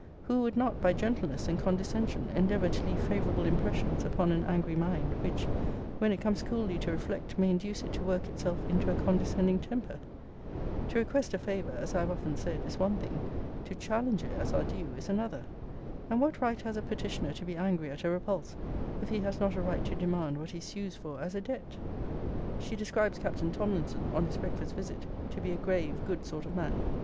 Who would not, by gentleness and condescension, endeavour to leave favourable impressions upon an angry mind; which, when it comes cooly to reflect, may induce it to work itself into a condescending temper? To request a favour, as I have often said, is one thing; to challenge it as our due, is another. And what right has a petitioner to be angry at a repulse, if he has not a right to demand what he sues for as a debt? [She describes Captain Tomlinson, on his breakfast visit, to be, a grave, good sort of man.